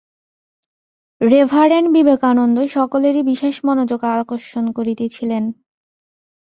Reverend Vivekananda সকলেরই বিশেষ মনোযোগ আকর্ষণ করিতেছিলেন।